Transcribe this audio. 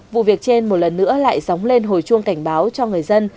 vụ việc trên một lần nữa lại dóng lên hồi chuông cảnh báo cho người dân